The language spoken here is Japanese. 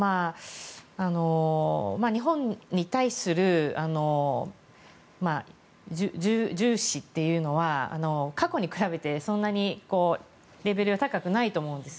日本に対する重視というのは過去に比べて、そんなにレベルが高くないと思うんです。